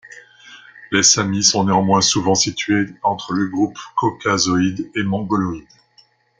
Les samis sont néanmoins souvent situés entre le groupe caucasoïde et mongoloïde.